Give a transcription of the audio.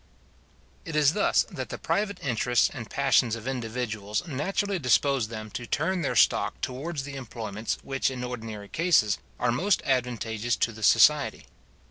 It is thus that the private interests and passions of individuals naturally dispose them to turn their stock towards the employments which in ordinary cases, are most advantageous to the society.